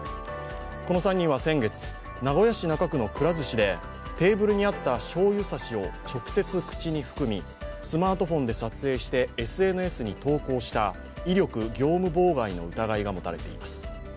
この３人は先月、名古屋市中区のくら寿司でテーブルにあったしょうゆ差しを直接口に含みスマートフォンで撮影してＳＮＳに投稿した威力業務妨害の疑いが持たれています。